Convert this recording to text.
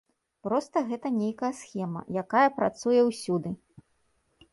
Проста гэта нейкая схема, якая працуе ўсюды.